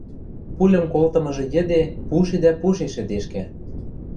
пульым колтымыжы йӹде пуше дӓ пуше шӹдешкӓ.